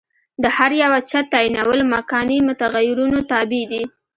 د هر یوه چت تعینول مکاني متغیرونو تابع دي.